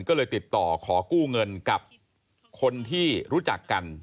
ก็เลยติดต่อขอกู้เงินกับคนที่รู้จักกัน